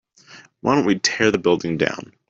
why don't we tear the building down?